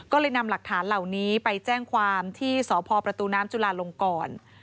ก็เลยนำหลักฐานเหล่านี้ไปแจ้งความที่สพประตูน้ำจุลาลงก่อน